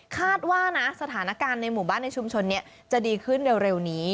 คาดว่านะสถานการณ์ในหมู่บ้านในชุมชนนี้จะดีขึ้นเร็วนี้